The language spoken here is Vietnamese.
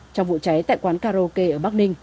trong vụ cháy tại quán karaoke ở bắc ninh